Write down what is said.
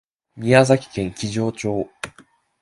宮崎県木城町